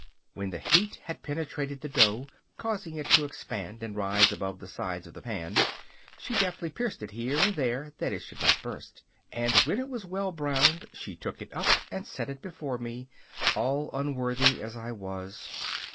When the heat had penetrated the dough, causing it to expand and rise above the sides of the pan, she deftly pierced it here and there that it should not burst, and when it was well browned she took it up and set it before me, all unworthy as I was.